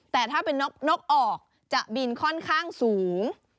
แต่ถ้าเป็นนกออกจะบินค่อนข้างสูง